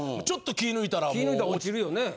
気ぃ抜いたら落ちるよね？